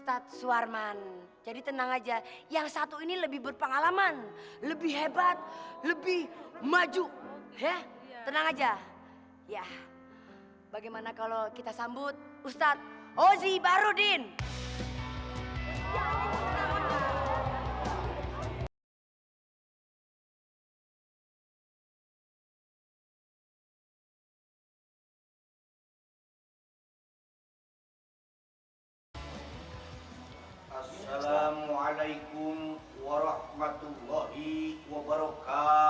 ada tentara sedang latihan nembak